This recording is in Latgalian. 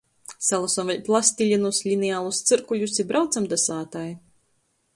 Salosom vēļ plastilinus, linealus, cyrkuļus i braucam da sātai.